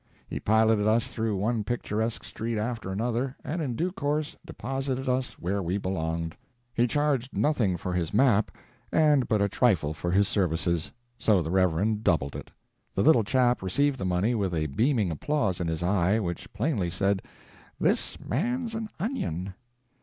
He piloted us through one picturesque street after another, and in due course deposited us where we belonged. He charged nothing for his map, and but a trifle for his services: so the Reverend doubled it. The little chap received the money with a beaming applause in his eye which plainly said, "This man's an onion!"